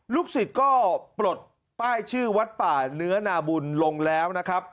ลูกศิษย์ก็ปลดป้ายชื่อวัดป่าเนื้อนาบุญลงแล้วนะครับ